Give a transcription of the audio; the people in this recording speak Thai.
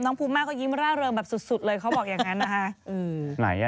ภูมิมาก็ยิ้มร่าเริงแบบสุดเลยเขาบอกอย่างนั้นนะคะ